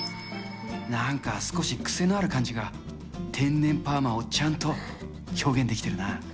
なんか少し癖のある感じが、天然パーマをちゃんと表現できてるな。